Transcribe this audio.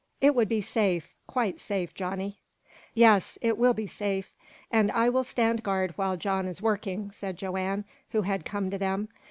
"It would be safe quite safe, Johnny." "Yes, it will be safe." "And I will stand guard while John is working," said Joanne, who had come to them.